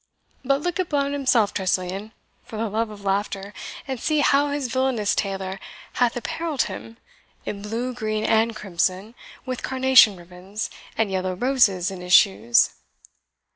But look at Blount himself, Tressilian, for the love of laughter, and see how his villainous tailor hath apparelled him in blue, green, and crimson, with carnation ribbons, and yellow roses in his shoes!"